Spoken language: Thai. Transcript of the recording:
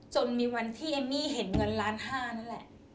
จนมีวันที่เอมมี่เห็นเงินล้านห้านั่นแหละ